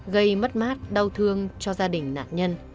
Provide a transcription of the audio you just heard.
gây mất mát đau thương cho gia đình nạn nhân